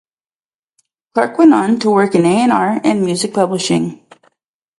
Clark went on to work in A and R and music publishing.